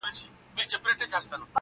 نه ښراوي سي تاوان ور رسولای!.